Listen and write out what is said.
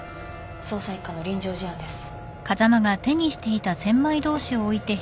捜査一課の臨場事案です。